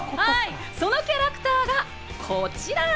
そのキャラクターがこちら！